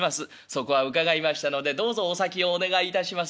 そこは伺いましたのでどうぞお先をお願いいたします」。